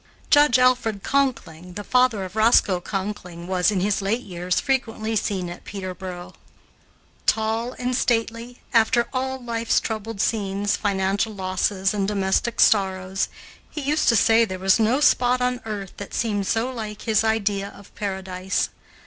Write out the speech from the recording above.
Judge Alfred Conkling, the father of Roscoe Conkling, was, in his late years, frequently seen at Peterboro. Tall and stately, after all life's troubled scenes, financial losses and domestic sorrows, he used to say there was no spot on earth that seemed so like his idea of Paradise.